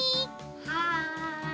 はい。